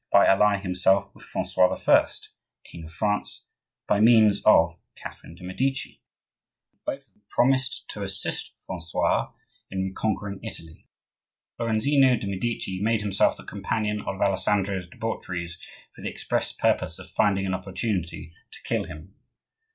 by allying himself with Francois I., king of France, by means of Catherine de' Medici; and both of them promised to assist Francois in reconquering Italy. Lorenzino de' Medici made himself the companion of Alessandro's debaucheries for the express purpose of finding an opportunity to kill him.